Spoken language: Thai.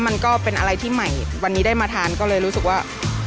มันก็เป็นอะไรที่ใหม่วันนี้ได้มาทานก็เลยรู้สึกว่า